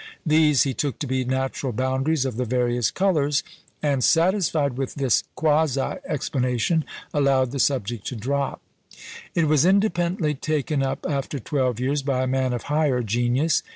These he took to be natural boundaries of the various colours, and satisfied with this quasi explanation, allowed the subject to drop. It was independently taken up after twelve years by a man of higher genius.